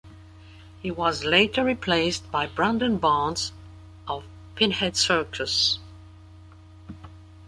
He was later replaced by Brandon Barnes of "Pinhead Circus".